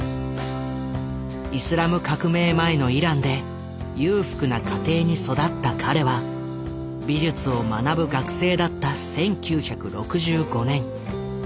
イスラム革命前のイランで裕福な家庭に育った彼は美術を学ぶ学生だった１９６５年ニューヨークを訪れる。